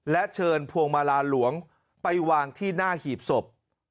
และเชิญพวงมาลาหลวงไปวางที่หน้าหีบศพ